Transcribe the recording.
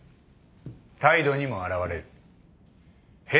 態度にも表れる。へ